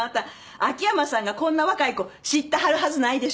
秋山さんがこんな若い子知ってはるはずないでしょ。